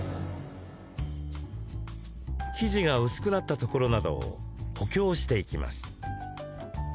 生地が薄くなったところなどを補強していきます。